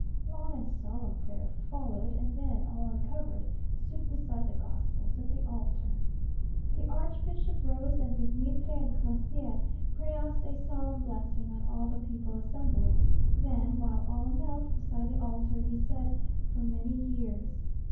Long and solemn prayer followed; and then, all uncovered, stood beside the gospels, at the altar. The archbishop rose, and with mitre and crosier, pronounced a solemn blessing on all the people assembled. Then, while all knelt beside the altar, he said "For many years."